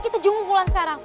kita junggung wulan sekarang